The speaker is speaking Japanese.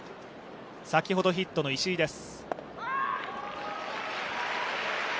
先ほどヒットの石井です。